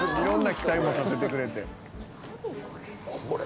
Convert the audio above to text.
「色んな期待もさせてくれて」